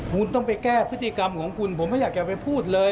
คุณต้องไปแก้พฤติกรรมของคุณผมไม่อยากจะไปพูดเลย